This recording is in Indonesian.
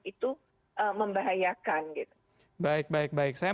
itu membahayakan gitu baik baik saya